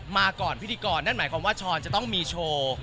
มาก่อนพิธีกรนั่นหมายความว่าช้อนจะต้องมีโชว์